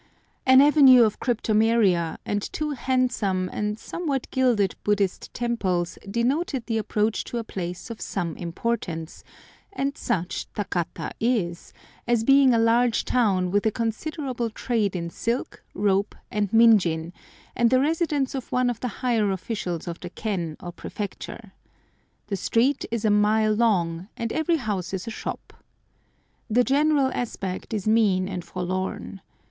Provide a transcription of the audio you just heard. An avenue of cryptomeria and two handsome and somewhat gilded Buddhist temples denoted the approach to a place of some importance, and such Takata is, as being a large town with a considerable trade in silk, rope, and minjin, and the residence of one of the higher officials of the ken or prefecture. The street is a mile long, and every house is a shop. The general aspect is mean and forlorn.